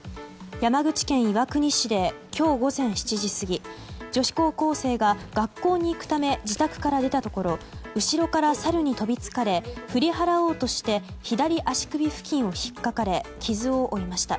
山口県岩国市で今日午前７時過ぎ女子高校生が学校に行くため自宅から出たところ後ろからサルに飛びつかれ振り払おうとして左足首付近を引っかかれ傷を負いました。